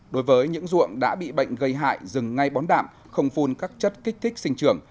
đối với những ruộng đã bị bệnh gây hại dừng ngay bón đạm không phun các chất kích thích sinh trường